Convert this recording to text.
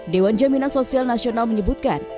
dewan jaminan sosial nasional menyebutkan